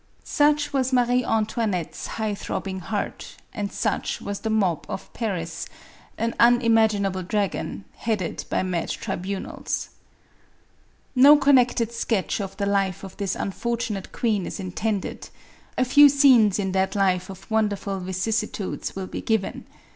Such was Marie Antoinette's high throbbing heart, and such was the mob of Paris, an unimaginable drag on, headed by mad tribunals. No connected sketch of the life of this unfortunate queen is intended; a few scenes in that life of wonder ful vicissitudes will be given.